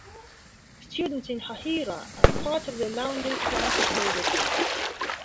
Students in Hahira are part of the Lowndes County School District.